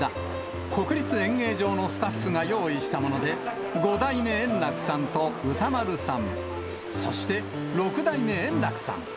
国立演芸場のスタッフが用意したもので、五代目圓楽さんと歌丸さん、そして六代目円楽さん。